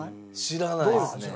知らないですね。